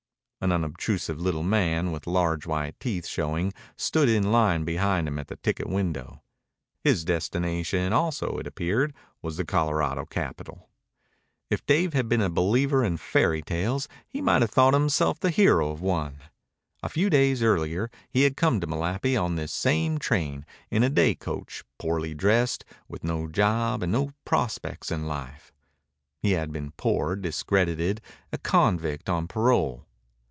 An unobtrusive little man with large white teeth showing stood in line behind him at the ticket window. His destination also, it appeared, was the Colorado capital. If Dave had been a believer in fairy tales he might have thought himself the hero of one. A few days earlier he had come to Malapi on this same train, in a day coach, poorly dressed, with no job and no prospects in life. He had been poor, discredited, a convict on parole.